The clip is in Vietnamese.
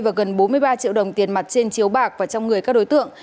và gần bốn mươi ba triệu đồng tiền mặt trên chiếu bạc và trong người các đối tượng